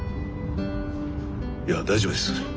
いや大丈夫です。